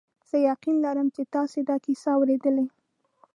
زه یقین لرم چې تاسي دا کیسه اورېدلې.